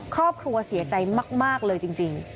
ครอบครัวเสียใจมากเลยจริง